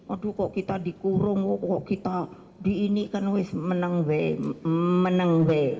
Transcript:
aduh kok kita dikurung kok kita di ini kan menang w